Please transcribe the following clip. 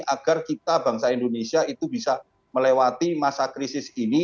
agar kita bangsa indonesia itu bisa melewati masa krisis ini